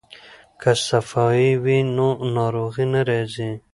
که صفايي وي نو ناروغي نه راځي.